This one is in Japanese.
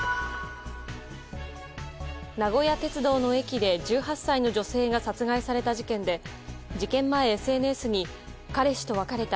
名古屋鉄道の駅で１８歳の女性が殺害された事件で事件前、ＳＮＳに彼氏と別れた。